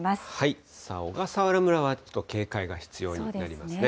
小笠原村は、警戒が必要になりますね。